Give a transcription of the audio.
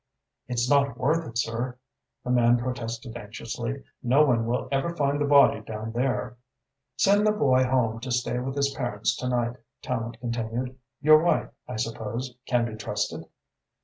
"It's not worth it, sir," the man protested anxiously. "No one will ever find the body down there." "Send the boy home to stay with his parents to night," Tallente continued. "Your wife, I suppose, can be trusted?"